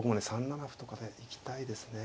３七歩とかでいきたいですね。